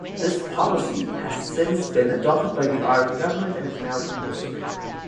This policy has since been adopted by the Irish government and is now compulsory.